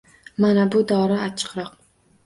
Mana bu dori achchiqroq